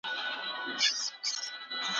د باندې هوا ډېره سړه ده او ته به ناروغه شې.